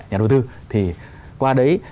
nhà đầu tư thì qua đấy